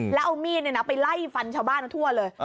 แล้วเอามีดไปไล่ฟันชาวบ้านเขาทั่วเลย